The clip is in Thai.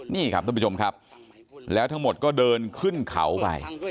นี่ครับท่านผู้ชมครับแล้วทั้งหมดก็เดินขึ้นเขาไป